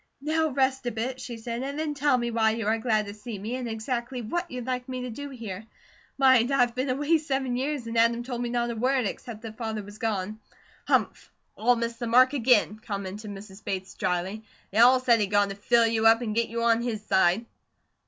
"Now rest a bit," she said, "and then tell me why you are glad to see me, and exactly what you'd like me to do here. Mind, I've been away seven years, and Adam told me not a word, except that Father was gone." "Humph! All missed the mark again," commented Mrs. Bates dryly. "They all said he'd gone to fill you up, and get you on his side."